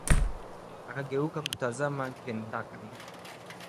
Akageuka kutazama Kentucky